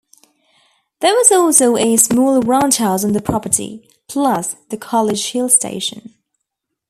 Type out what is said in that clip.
There was also a small roundhouse on the property, plus the College Hill Station.